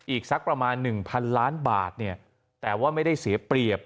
อีกสักประมาณ๑๐๐๐ล้านบาทเนี่ยแต่ว่าไม่ได้เสียเปรียบ